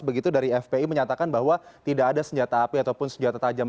begitu dari fpi menyatakan bahwa tidak ada senjata api ataupun senjata tajam